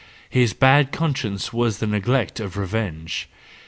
His bad conscience was the neglect of revenge.